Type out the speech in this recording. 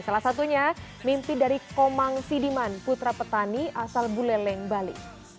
salah satunya mimpi dari komang sidiman putra petani asal buleleng bali